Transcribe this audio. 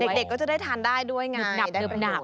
เด็กก็จะได้ทานได้ด้วยไงได้ประโยชน์